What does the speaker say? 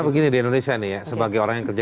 begini di indonesia nih ya sebagai orang yang kerja